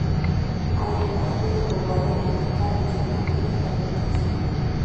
آیا د پښتنو په واده کې نکاح په جومات کې نه تړل کیږي؟